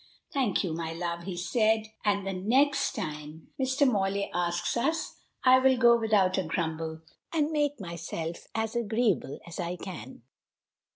"Thank you, my love," he said; "and the next time Mr. Morley asks us I will go without a grumble, and make myself as agreeable as I can."